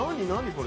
これ」